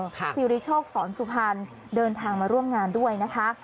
สิริโชคสอนสุพรรณเดินทางมาร่วมงานด้วยนะคะ